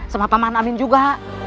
sama paman amin juga